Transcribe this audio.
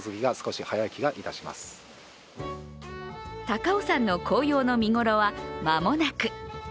高尾山の紅葉の見頃は間もなく。